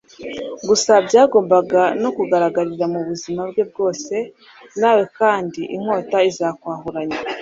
gusa byagombaga no kuzagaragarira mu buzima bwe bwose. nawe kandi inkota izakwahuranya